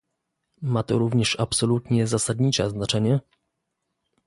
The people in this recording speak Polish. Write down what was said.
Ma to również absolutnie zasadnicze znaczenie